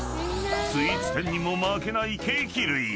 ［スイーツ店にも負けないケーキ類］